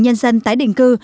nhân dân tái định cư